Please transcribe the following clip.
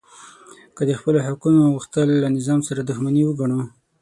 که د خپلو حقونو غوښتل له نظام سره دښمني وګڼو